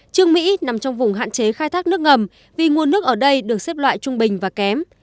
trương mỹ nằm trong vùng hạn chế khai thác nước ngầm vì nguồn nước ở đây được xếp loại trung bình và kém